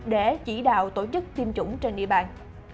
để chỉ đạo tổ chức tiêm chủng trên địa bàn